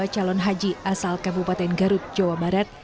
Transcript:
empat ratus tiga puluh dua calon haji asal kabupaten garut jawa barat